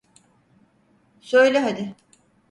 Söyle hadi.